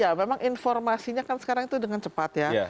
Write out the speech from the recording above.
ya memang informasinya kan sekarang itu dengan cepat ya